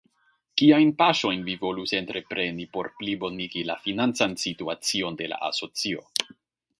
Kiajn paŝojn vi volus entrepreni por plibonigi la financan situacion de la asocio?